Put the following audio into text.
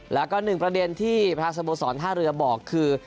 แล้วก็หนึ่งประเด็นที่บรรษบโศร๕เหรือบอกคือ